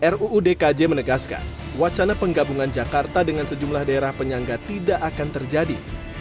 ruu dkj menegaskan wacana penggabungan jakarta dengan sejumlah daerah penyangga tidak akan terjadi